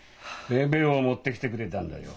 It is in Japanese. ベベを持ってきてくれたんだよ。